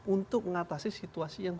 untuk mengatasi situasi yang